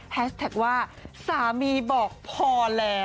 แท็กว่าสามีบอกพอแล้ว